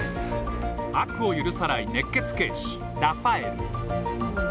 悪を許さない熱血警視ラファエル。